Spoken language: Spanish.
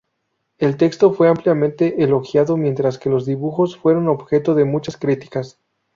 El texto fue ampliamente elogiado, mientras que los dibujos fueron objeto de muchas críticas.